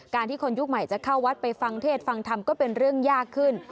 ที่คนยุคใหม่จะเข้าวัดไปฟังเทศฟังธรรมก็เป็นเรื่องยากขึ้น